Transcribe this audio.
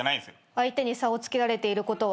相手に差をつけられていることは？